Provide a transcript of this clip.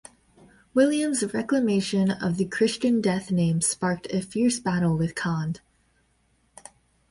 Williams' reclamation of the Christian Death name sparked a fierce battle with Kand.